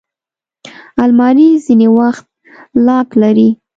الماري ځینې وخت لاک لري